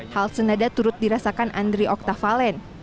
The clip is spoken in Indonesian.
hal senada turut dirasakan andri oktavalen